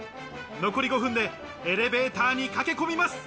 残り５分でエレベーターに駆け込みます。